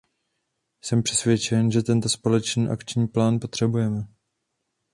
Jsem přesvědčen, že tento společný akční plán potřebujeme.